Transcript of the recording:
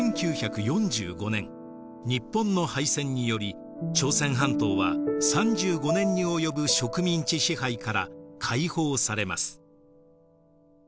１９４５年日本の敗戦により朝鮮半島は３５年に及ぶ植民地支配から解放されます。